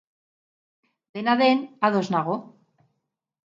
Dena den, ados nago.